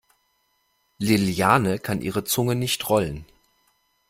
Liliane kann ihre Zunge nicht rollen.